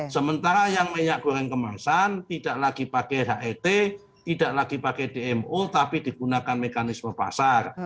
sementara yang minyak goreng kemasan tidak lagi pakai het tidak lagi pakai dmo tapi digunakan mekanisme pasar